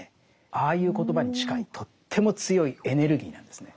ああいう言葉に近いとっても強いエネルギーなんですね。